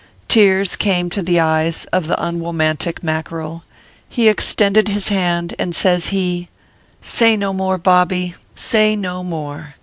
Tears came to the eyes of the unwomantic Mack erel ; he extended his hand, and says he :" Say no more, Bobby say no more.